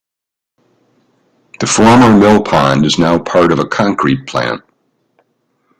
The former mill pond is now part of a concrete plant.